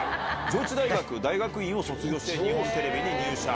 上智大学大学院を卒業して、日本テレビに入社。